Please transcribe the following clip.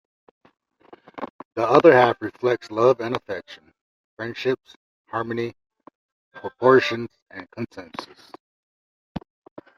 The other half reflects love and affection, friendships, harmony, proportion and consensus.